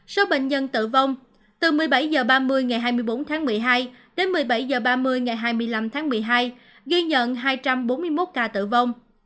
số bệnh nhân tử vong từ một mươi bảy h ba mươi ngày hai mươi bốn tháng một mươi hai đến một mươi bảy h ba mươi ngày hai mươi năm tháng một mươi hai ghi nhận hai trăm bốn mươi một ca tử vong